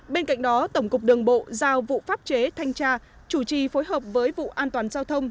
bên cạnh đó tổng cục đường bộ giao vụ pháp chế thanh tra chủ trì phối hợp với vụ an toàn giao thông